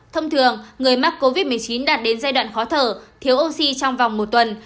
thông thường người mắc covid một mươi chín đạt đến giai đoạn khó thở thiếu oxy trong vòng một tuần